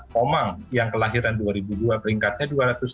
komang yang kelahiran dua ribu dua peringkatnya dua ratus dua puluh